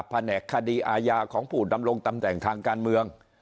แผนกคดีอาญาของผู้ดำรงตำแหน่งทางการเมือง